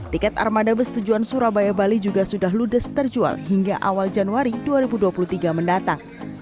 tiket armada bus tujuan surabaya bali juga sudah ludes terjual hingga awal januari dua ribu dua puluh tiga mendatang